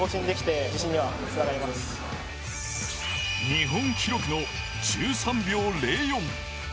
日本記録の１３秒０４。